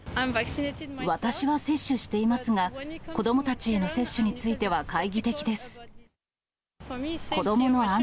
私は接種していますが、子どもたちへの接種については懐疑的です。